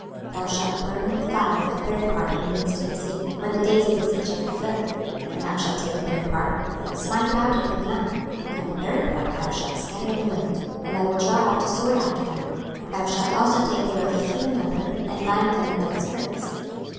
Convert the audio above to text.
26:005:002 Thou shalt burn with fire a third part in the midst of the city, when the days of the siege are fulfilled: and thou shalt take a third part, and smite about it with a knife: and a third part thou shalt scatter in the wind; and I will draw out a sword after them. 26:005:003 Thou shalt also take thereof a few in number, and bind them in thy skirts.